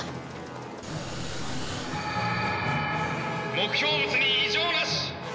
目標物に異常なし！